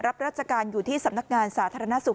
รับราชการอยู่ที่สำนักงานสาธารณสุข